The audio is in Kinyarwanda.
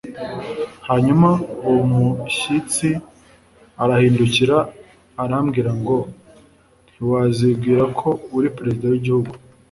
hanyuma uwo mushytsi arahindukira arambwira ngo ntiwazibwira ko uri Perezida w’Igihugu